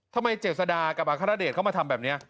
ทำไมเจษฎากับอาคารเดชเข้ามาทำแบบเนี้ย